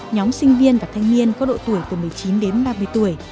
nhóm sinh viên và thanh niên có độ tuổi từ một mươi chín đến ba mươi tuổi